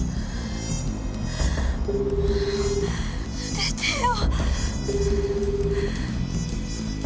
出てよ。